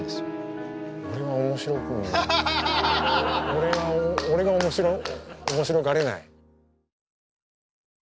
俺は俺が面白がれない。